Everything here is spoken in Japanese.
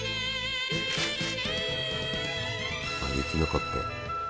雪残ってる。